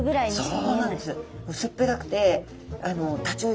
そうなんです。